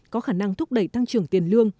có khả năng thúc đẩy tăng trưởng tiền lương